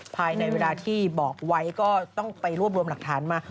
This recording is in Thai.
ภายในเวลาที่บอกไว้ก็ต้องไปรวบรวมหลักฐานมา